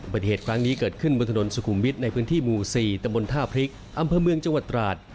เหตุครั้งนี้เกิดขึ้นบนถนนสุขุมวิทย์ในพื้นที่หมู่๔ตำบลท่าพริกอำเภอเมืองจังหวัดตราด